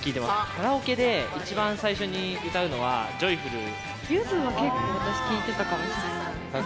カラオケで一番最初に歌うのは、ゆずは結構、私、聴いてたかもしれない。